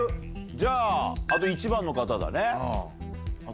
じゃああと１番の方だね。